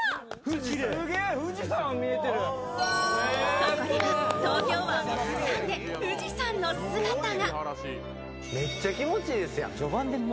そこには東京湾を挟んで富士山の姿が。